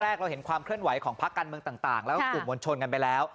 เราเห็นความเคลื่อนไหวของพักการเมืองต่างแล้วก็กลุ่มมวลชนกันไปแล้ว